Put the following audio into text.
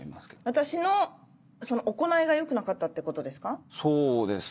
私のその行いが良くなかったってことですか？